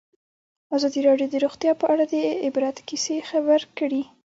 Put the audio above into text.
ازادي راډیو د روغتیا په اړه د عبرت کیسې خبر کړي.